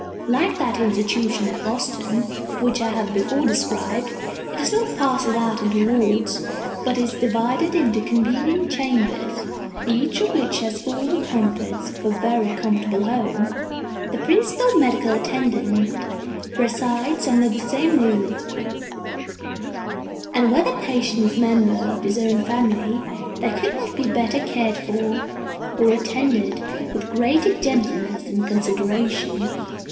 Like that institution at Boston, which I have before described, it is not parcelled out into wards, but is divided into convenient chambers, each of which has all the comforts of a very comfortable home. The principal medical attendant resides under the same roof; and were the patients members of his own family, they could not be better cared for, or attended with greater gentleness and consideration.